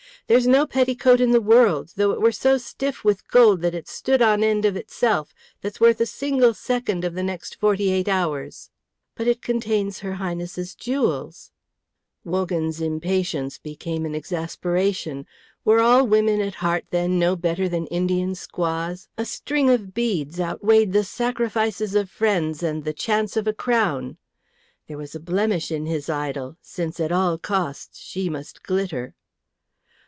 "There's no petticoat in the world, though it were so stiff with gold that it stood on end of itself, that's worth a single second of the next forty eight hours." "But it contains her Highness's jewels." Wogan's impatience became an exasperation. Were all women at heart, then, no better than Indian squaws? A string of beads outweighed the sacrifices of friends and the chance of a crown! There was a blemish in his idol, since at all costs she must glitter.